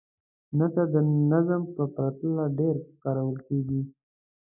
نثر د نظم په پرتله ډېر کارول کیږي.